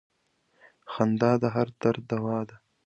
• خندا د هر درد دوا ده.